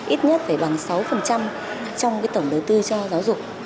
ít nhất phải bằng sáu trong tổng đầu tư cho giáo dục